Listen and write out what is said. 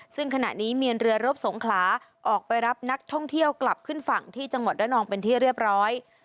ซึ่งขณะนี้เมียนเรือรบสงขลาออกไปรับนักท่องเที่ยวกลับขึ้นฝั่งที่จังหวัดระนองเป็นที่เรียบร้อย